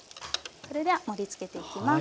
それでは盛りつけていきます。